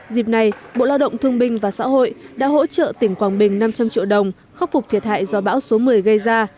dịp này bộ lao động thương binh và xã hội đã hỗ trợ tỉnh quảng bình năm trăm linh triệu đồng khắc phục thiệt hại do bão số một mươi gây ra